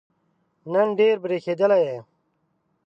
نن ډېر برېښېدلی یې